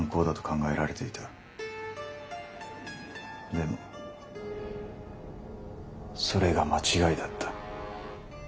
でもそれが間違いだった。